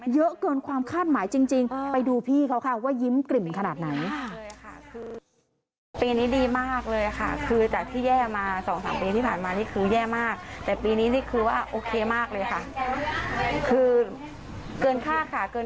เยอะเกินความคาดหมายจริงไปดูพี่เขาค่ะว่ายิ้มกลิ่มขนาดไหน